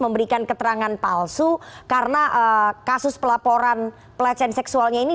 memberikan keterangan palsu karena kasus pelaporan pelecehan seksualnya ini